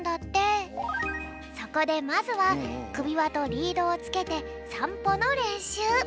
そこでまずはくびわとリードをつけてさんぽのれんしゅう。